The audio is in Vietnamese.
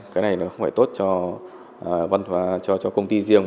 cái này nó không phải tốt cho công ty riêng